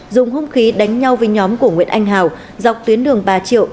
dùng hung khí đánh nhau với nhóm của nguyễn anh hào dọc tuyến đường ba triệu